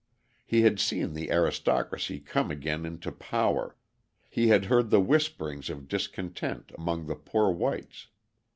He had seen the aristocracy come again into power; he had heard the whisperings of discontent among the poor whites.